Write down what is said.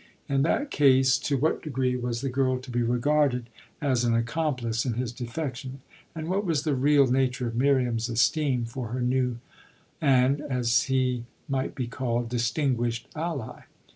In that case to what degree was the girl to be regarded as an accomplice in his defection, and what was the real nature of Miriam's esteem for her new and (as he might be called) distinguished ally?